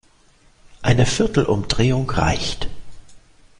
Eine viertel Umdrehung reicht.